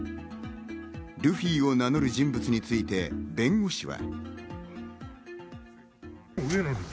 ルフィを名乗る人物について弁護士は。